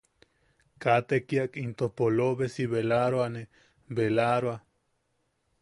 Kaa tekiak into polobesi belaaroane. belaa-roa-.